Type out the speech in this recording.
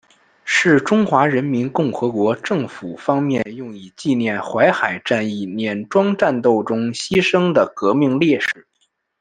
是中华人民共和国政府方面用以纪念淮海战役碾庄战斗中牺牲的革命烈士。